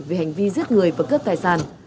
vì hành vi giết người và cướp tài sản